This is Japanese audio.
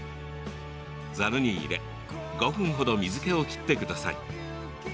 ざるに入れ５分程、水けを切ってください。